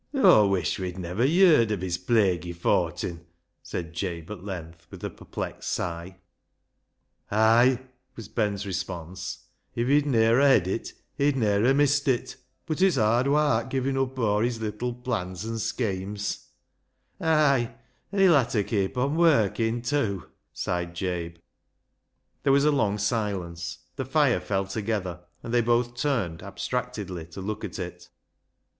" Aw wuish we'd ne'er yerd of his plaguey fortin," said Jabe at length, with a perplexed sigh. " Ay," was Ben's response. " If he'd ne'er a hed it he'd ne'er a missed it. But it's hard wark givin' up aw his little plans an' schames." " Ay ; an' he'll ha' ta keep on workin' tew," sighed Jabe, There was a long silence. The fire fell together, and they both turned abstractedly to look at it.